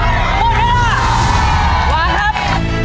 หวานครับ